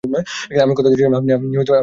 আমি কথা দিয়েছিলাম, আপনি উনার ফসল রক্ষা করবেন।